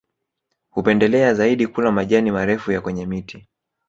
Hupendelea zaidi kula majani marefu ya kwenye miti